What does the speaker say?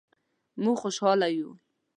مونږ خوشحاله یو